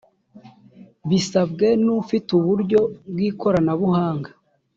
bisabwe n’ufite uburyo bw’ikoranabuhanga